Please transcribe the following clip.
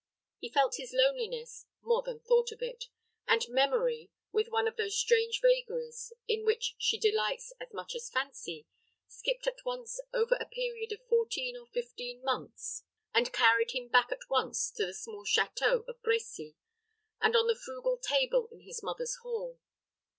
He felt his loneliness, more than thought of it, and Memory, with one of those strange vagaries, in which she delights as much as Fancy, skipped at once over a period of fourteen or fifteen months, and carried him back at once to the small château of Brecy, and to the frugal table in his mother's hall.